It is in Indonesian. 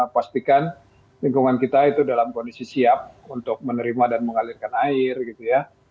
pastikan lingkungan kita itu dalam kondisi siap untuk menerima dan mengalirkan air gitu ya